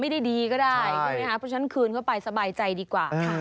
ถูก